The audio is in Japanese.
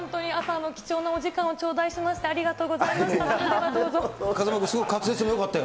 貴重なお時間を頂戴しまして、ありがとうございました。